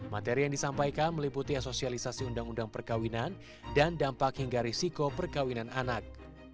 materi yang disampaikan meliputi asosialisasi undang undang perkawinan dan dampak hingga risiko perkawinan anak